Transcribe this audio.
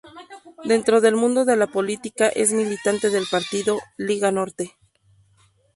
Dentro del mundo de la política es militante del partido, Liga Norte.